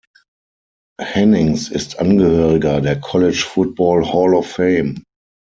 Hennings ist Angehöriger der College Football Hall of Fame.